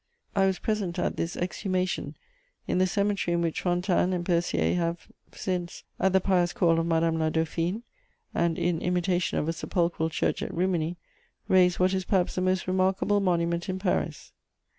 I was present at this exhumation in the cemetery in which Fontaine and Percier have since, at the pious call of Madame la Dauphine, and in imitation of a sepulchral church at Rimini, raised what is perhaps the most remarkable monument in Paris.